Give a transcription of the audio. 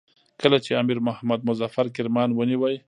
کله چې امیر محمد مظفر کرمان ونیوی.